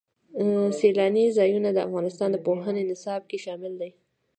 سیلانی ځایونه د افغانستان د پوهنې نصاب کې شامل دي.